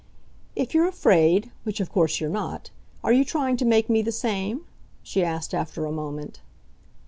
"If you're afraid which of course you're not are you trying to make me the same?" she asked after a moment.